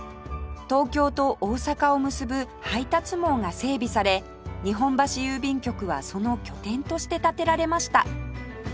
東京と大阪を結ぶ配達網が整備され日本橋郵便局はその拠点として建てられました